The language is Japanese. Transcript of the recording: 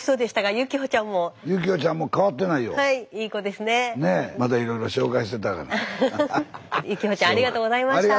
幸歩ちゃんありがとうございました。